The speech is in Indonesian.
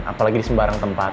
apalagi di sembarang tempat